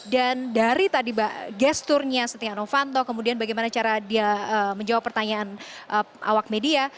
dan dari tadi gesturnya stiano fanto kemudian bagaimana cara dia menjawab pertanyaan awak media